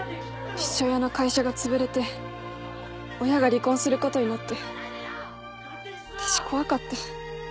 父親の会社がつぶれて親が離婚することになって私怖かった。